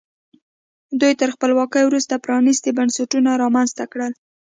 دوی تر خپلواکۍ وروسته پرانیستي بنسټونه رامنځته کړل.